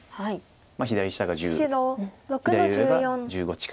左下が１０左上が１５近い。